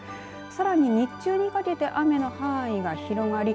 さらに日中にかけて雨の範囲が広がり